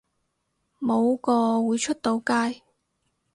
冇個會出到街